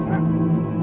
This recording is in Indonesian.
aku mau ke rumah